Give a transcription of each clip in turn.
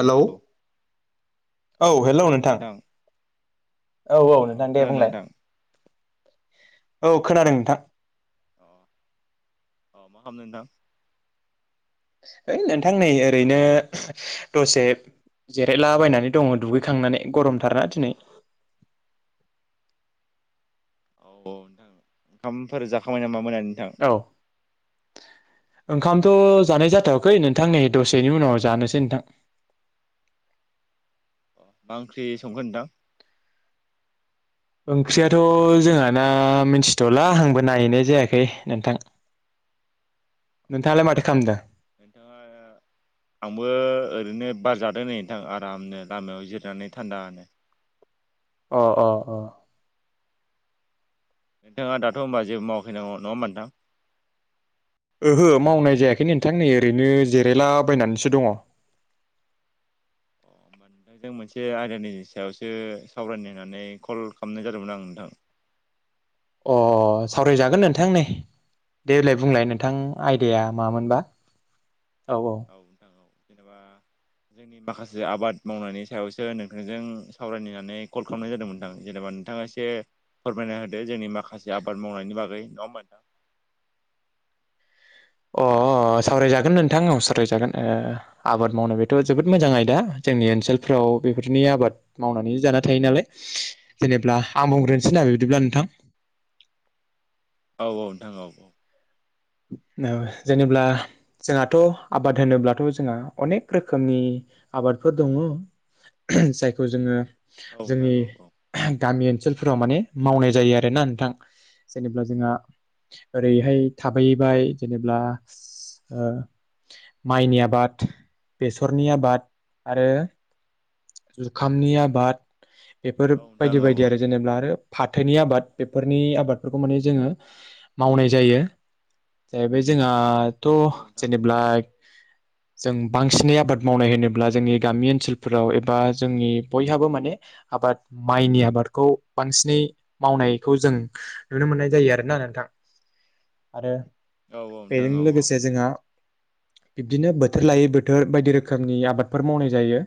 Hello औ hello नोंथां। औ औ नोंथां दे खोनादों बुंलाय नोंथां औ खोनादों नोंथां? अ अ मा खालामनो नोंथां? ओइ नोंथां नै ओरैनो दसे। जिरायलाबायनानै दङ दुगैखांनानै गरमथारना दिनै। [inaudible] औ नोंथां ओंखामफोर जाखांबाय नामा नोंथां। औ ओंखामथ' जानाय जाथ'वाखै नोंथां नैै दसेनि उनाव जानोसै नोंथां अ मा ओंख्रि संगोन नोंथां ओंख्रियाथ' जोंहाना मिथिथ'ला आंबो नायहैनाय जायाखै नोंथां [inaudible] नोंथाडालाय माथो खालामदों बेथा [unintelligible] आंबो ओरैनो बार जादों नै नोंथां आरामनो लामायाव जिरनानै थान्दानो अ अ अ नोंथाङा दाथ' होनोमबा जेबो मावखैनांगौ नङा होमबा नोंथां ओहो मावनाय जायाखै नोंथां नै ओरैनो जिरायलाबायनानैसो दङ। [inaudible] होमबा नोंथांजों मोनसे आयदानि सायावसो सावरायनो होननानै कल खालामनाय जादोंमोन आं नोंथां अ सावरायजागोन नोंथां नै देलाय बुंलाय औ नोंथां जेनेबा आयदाया मामोनबा औ नोंथां औ जेनेबा जोंनि माखासे आबाद मावनायनि सायावसो नोंथांजों सावरायनानै कल खालामनाय जादोंमोन नोंथां जेनेबा नोंथाङा एसे फोरमायना होदो जोंनि माखासे आबाद मावनायनि बागै नङा होमबा नोंथां [inaudible] अ सावरायजागोन नोंथां औ सावरायजागोन आबाद मावनो बेथ' जोबोद मोजां आयदा जोंनि ओनसोलफ्राव बेफोरनि आबाद मावनानै जाना थायो नालाय जेनेबा आं बुंग्रोसै ना दे बिदिब्ला नोंथां [inaudible] औ औ नोंथा औ जेनेब्ला जोंहाथ' आबाद होनोब्लाथ' जोंहा अनेक रोखोमनि आबादफोर दङ जायखौ जोङो नोंथां जोंनि औ औ गामि ओन सोलफोराव माने मावनाय जायो आरो ना नोंथां जेनेबा जोंहा ओरैहाय थाबैहैबाय जेनेब्ला माइनि आबाद बेसरनि आबाद आरो जुखामनि आबाद बेफोर औ नोंथां बायदि औ बायदि आरो जेनेबा आरो फाथोनि आबाद बेफोरनि आबादफोरखौ माने जोङो मावनाय जायो। जाहैबाय जोंहाथ' औ नोंथां औ जेनेब्ला जों बांसिनै आबाद मावनाय होनोब्ला जोंनि गामि ओनसोलफोराव एबा जोंनि बयहाबो माने आबाद माइनि आबादखौ बांसिनै मावनायखौ जों नुनो मोननाय जायो आरोना नोंथां [inaudible] आरो नोंथां औ नोंथां बेजों औ औ लोगोसे जोंहा बिदिनो बोथोर लायै बोथोर बायदि रोखोमनि आबादफोर मावनाय जायो।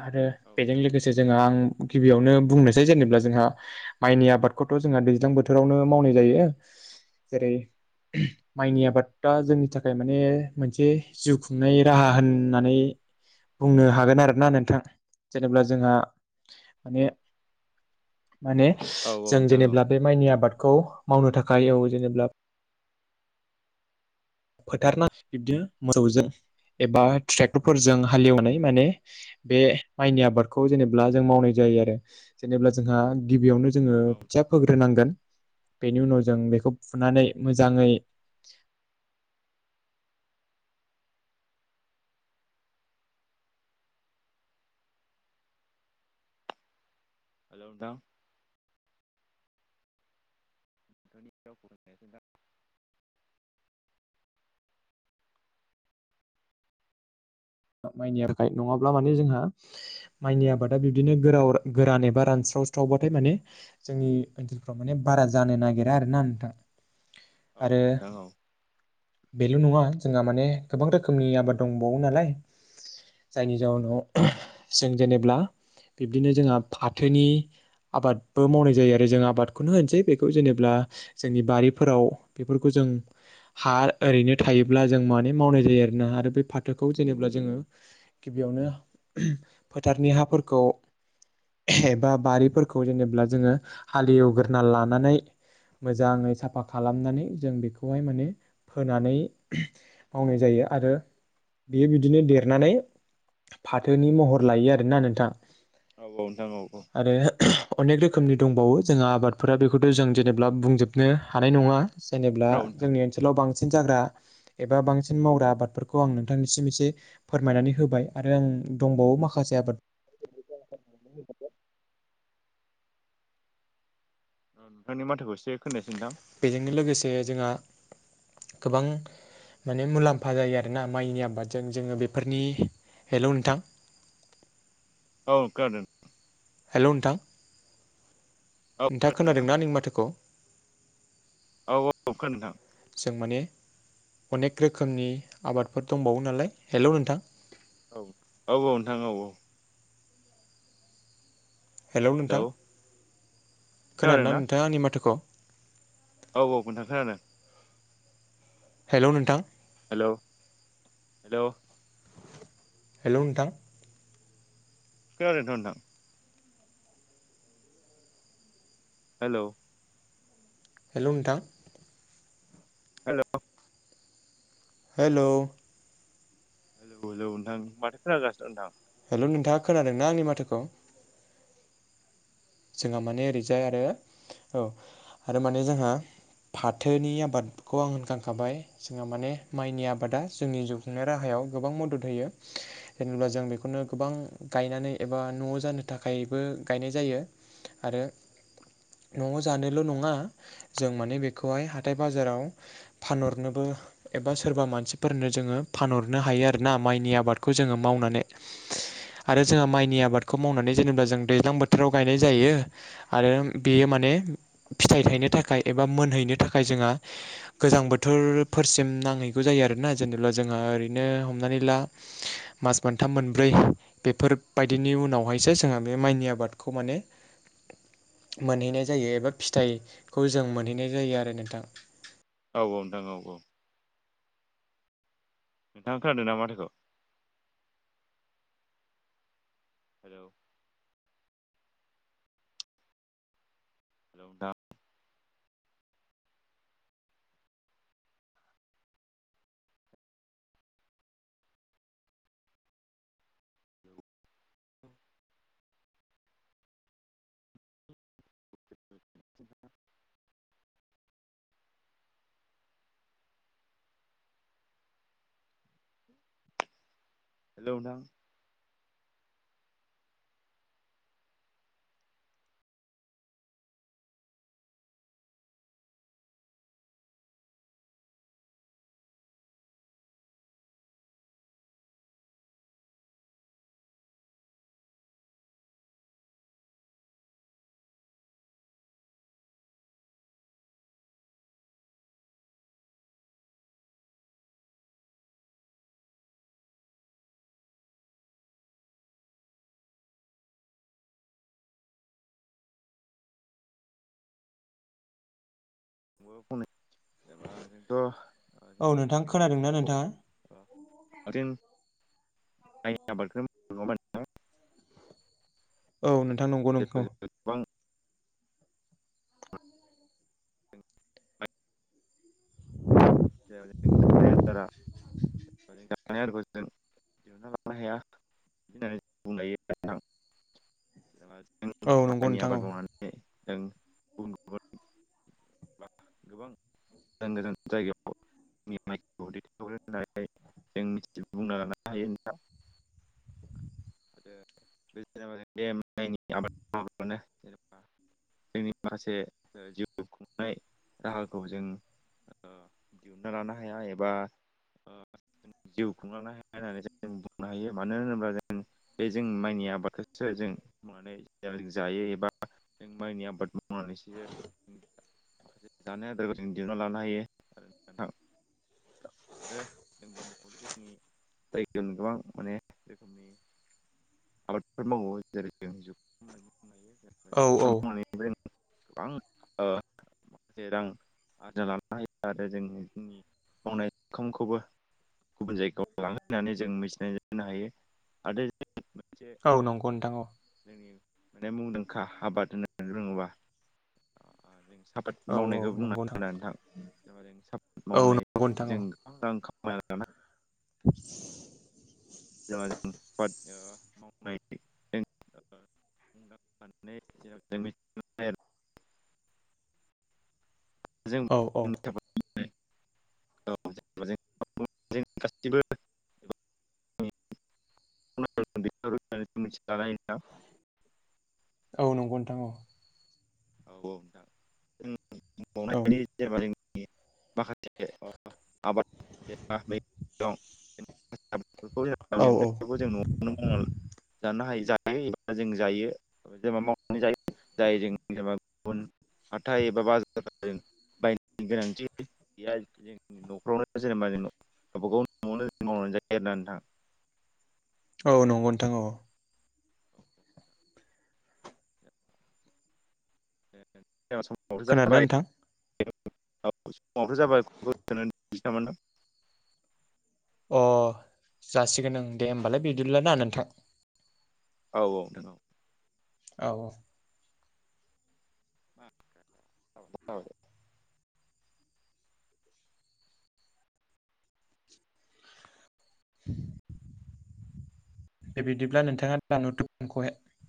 आरो बेजों नोंथां लोगोसे जोङो आं गिबियावनो बुंनोसै जेनेबा जोंहा माइनि आबादखौथ' जोंहा दैज्लां बोथोरावनो मावनाय जायो। जेरै माइनि आबादा जोंनि थाखाय माने मोनसे जिउ खुंनाय राहा होननानै बुंनो हागोन आरोना नोंथां जेनेब्ला जोंहा माने [inaudible] माने औ जों नोंथां औ जेनेब्ला बे माइनि आबादखौ मावनो थाखाय औ जेनेब्ला फोथारना बिब्दिनो [unintelligible] मोसौजों एबा ट्रेक्टरफोरजों हालेवनाय माने बे माइनि आबादखौ जेनेबा जों मावनाय जा जायो आरो जेनेबा जोंहा गिबियावनो जोङो औ नोंथां खोथिया फोग्रोनांगोन बेनि उनाव जों बेखौ फुनानै मोजाङै हेल' नोंथां [unintelligible] माइनि थाखाय नङाब्ला माने जोंहा माइनि आबादा बिब्दिनो गोराव [unintelligible] गोरान एबा रानस्राव स्रावबाथाय माने जोंनि ओनसोलफ्राव माने बारा जानो नागिरा आरोना औ नोंथाङा आरो नोंथां औ बेल' नङा जोंहा माने गोबां रोखोमनि आबाद दंबावो नालाय जायनि जााहोनाव जों जेनेब्ला बिब्दिनो जोंहा फाथोनि आबादबो मावनाय जायो आरो जों आबादखौनो होनोसै बेखौ जेनेबा जोंनि बारिफोराव बेफोरखौ जों हा ओरैनो थायोब्ला जों माने मावनाय जायो आरोना आरो बे फाथोखौ जेनेबा जोङो गिबियावनो फोथारनि हाफोरखौ एबा बारिफोरखौ जेनेबा जोङो हालेवग्रा लानानै मोजाङै साफा खालामनानै जों बेखौहाय माने फोनानै मावनाय जायो आरो बेयो बिदि बिदिनो देरनानै फाथोनि महर लायो आरोना नोंथा औ औ नोंथां औ औ अनेक रोखोमनि दंबावो जोंहा आबादफोरा बेखौथ' जों जेनेबा बुंजोबनो हानाय नङा जेनेब्ला औ नोंथां जोंनि ओनसोलाव बांसिन बांसिन जाग्रा एबा बांसिन मावग्रा आबादफोरखौ आं नोंथांनिसिम एसे फोरमायनानै होबाय आरो आं दंबावो माखासे आबाद नोंथांनि माथोखौ एसे खोन्नायासै नोंथां बेजोंनो लोगोसे जोंहा गोबां माने मुलाम्फा जायो आरोना माइनि आबादजों जोङो बेफोरनि हेल' नोंथां औ नोंथां हेल' नोंथां औ नोंथाङा खोनादों नोंथां खोनादोंना आंनि माथोखौ औ औ खोनादों जों माने अनेक रोखोमनि आबादफोर दंबावो नालाय हेलौ नोंथां औ औ औ नोंथां औ औ हेल' हेलौ नोंथां खोनादों ना नोंथाङा आंनि माथोखौ औ औ खोनादों हेल' नोंथां हेल' हेल' हेल' नोंथां खोनादोंना नोंथां हेल' हेल' नोंथां हेल' हेल' हेलौ हेलौ नोंथां माथो खोनागासिनो नोंथां हेल' नोंथाङा खोनादोंना आंनि माथोखौ जोंहा माने ओरैजाय आरो औ आरो माने जोंहा फाथोनि आबादखौ आं होनखांखाबाय जोंहा माने माइनि आबादा जोंनि जिउ खुंनाय राहायाव गोबां मदद होयो जेनेबा जों बेखौनो गोबां गायनानै एबा न'आव जानो थाखाय बो गायनाय जायो आरो न'आव जानायल' नङा जों माने बेखौहाय हाथाय बाजाराव फानहरनोबो एबा सोरबा मानसिफोरनो जोङो फानहरनो हायो आरोना माइनि आबादखौ जोङो मावनानै आरो जोंहा माइनि आबादखौ मावनानै जेनेबा जों दैज्लां बोथोराव गायनाय जायो आरो बेयो माने फिथाइ थायनो थाखाय एबा मोनहैनो थाखाय जोंहा गोजां बोथोरफोरसिम नांहैगौ जायो ना जेनेबा जोंहा ओरैनो हमनानै ला मास मोनथाम मोनब्रै बेफोर बेनि उनावहायसो जोंहा बे माइनि आबादखौ माने मोनहैनाय जायो एबा फिथाइखौ जों मोनहैनाय जायो आरो नोंथां औ औ नोंथां औ औ नोंथां खोनादोंना माथोखौ हेल' [unintelligible] [inaudible] हेल' नोंथां आंबो खन जेनेबा जोंथ' औ जोंथिं नोंथां जोंनि खोनादोंना नोंथाङा ओनसोलाव [unintelligible] आबादखौ नङा होमबा नोंथां औ [inaudible] नोंथां गोबां [inaudible] [unintelligible] आरो दिहुनना लांनो हाया बिदि होननानै [unintelligible] औ नंगौ माइनि नोंथां आबाद औ मावनानै जों गुबुन गुबुन गोबां गोजान गोजान जायगायाव [unintelligible] दैथायहरो होननानै जों मिथि बुंना लानो हायो नोंथां [inaudible] [unintelligible] जोंनि माखासे जिउ खुंनाय राहाखौ जों दिहुनना लानो हाया एबा जिउ खुंलांनो हाया होननानै जों बुंनो हायो मानो होनोब्ला जों बे जों माइनि आबादखौसो जों मावनानै जायो एबा जों माइनि आबाद मावनानैसो माखासे जानाय आदारखौ जों दिहुनना लानो हायो [unintelligible] [unintelligible] गोबां माने [unintelligible] आबादफोर मावो जेरै जों बुंनो हायो जुखाम औ-औ मावनानैबो जों गोबां माखासे ओ रां आरजि [unintelligible] आरो जों जोंनि मावनाय [unintelligible] खौबो गुबुन जायगायाव लाङो होननानै जों [unintelligible] हायो आरो औ नंगौ नोंथां औ [unintelligible] माने मुंदांखा आबाद [unintelligible] जों सापाट औ औ मावनायखौ बुंना नंगौ आरा नोंथां सापाट औ मावनाय नंगौ नोंथां जों औ गोबां रां [unintelligible] [unintelligible] [inaudible] ओ‌ मावनाय जों [unintelligible] जों औ-औ [unintelligible] गासिबो [inaudible] [unintelligible] औ नंगौ नोंथां औ औ [unintelligible] माखासे [unintelligible] आबाद [unintelligible] दं जों मैगं औ औ थाइगंखौ जों न'आवनो मावना जानो हायो [unintelligible] जायो जों जायो जेनबा मावनानै जायो जाय जों जेनबा गुबुन हाथाय एबा बाजारजों बायनो गोनांथि गैया जों न'फ्रावनो जेनेबा जों गावबा गाव न'आवनो मावनो जायो आरोना नोंथां औ नंगौ नोंथां औ [unintelligible] खोनादोंना जाबाय नोंथां [unintelligible] जाबायोनदों अ जासिगोन ओं दे होमबालाय बिदिब्लाना नोंथां औ-औ नोंथां औ औ-औ औ [inaudible] बे बिदिब्ला नोंथाङा दा [unintelligible]